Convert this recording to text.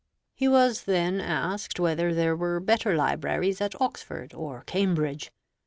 He was then asked whether there were better libraries at Oxford or Cambridge.